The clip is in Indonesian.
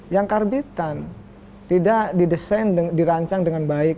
yang karbitan tidak didesain dirancang dengan baik